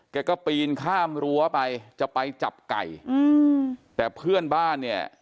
แกก็ปีนข้ามรั้วไปจะไปจับไก่อืมแต่เพื่อนบ้านเนี่ย